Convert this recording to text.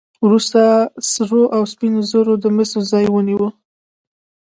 وروسته سرو او سپینو زرو د مسو ځای ونیو.